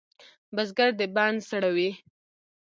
بزګر د بڼ زړه وي